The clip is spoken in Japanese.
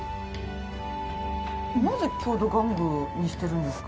なぜ郷土玩具にしているんですか？